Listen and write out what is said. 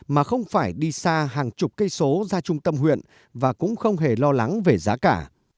mà không phải đi xa hàng chục cây số ra trung tâm huyện và cũng không hề lo lắng về giá cả